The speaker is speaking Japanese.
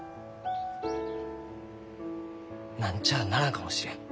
何ちゃあならんかもしれん。